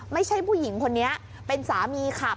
ผู้หญิงคนนี้เป็นสามีขับ